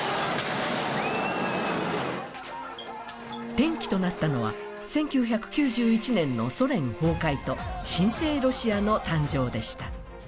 転機となったのは１９９１年のソ連崩壊と新生ロシアの誕生でした。